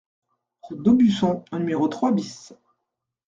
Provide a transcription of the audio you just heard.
Route d'Aubusson au numéro trois BIS